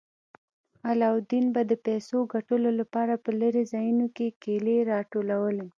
علاوالدین به د پیسو ګټلو لپاره په لیرې ځایونو کې کیلې راټولولې.